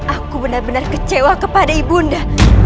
aku benar benar kecewa kepada ibunda